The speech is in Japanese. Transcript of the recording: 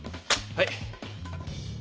はい。